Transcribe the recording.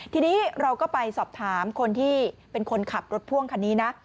ทีนี้เราก็ไปสอบถามคนที่เป็นคนขับรถพ่วงคันนี้นะ